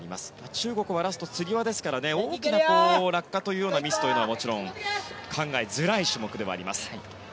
中国はラスト、つり輪ですから大きな落下というミスは考えづらい種目ではあります。